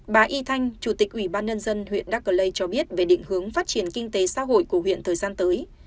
bà y thanh chủ tịch ủy ban nhân dân huyện đắc lê cho biết về định hướng phát triển kinh tế xã hội của huyện thời gian tới